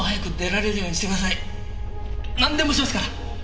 なんでもしますから！